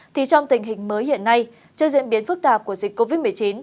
thì trong tình hình mới hiện nay trước diễn biến phức tạp của dịch covid một mươi chín